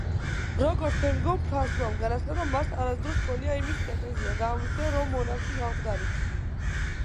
როგორც შემდგომ ფრანსუამ განაცხადა, მას არასდროს ჰქონია იმის პრეტენზია და ამბიცია, რომ მონარქი გამხდარიყო.